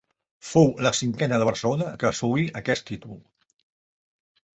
Fou la cinquena de Barcelona que assolí aquest títol.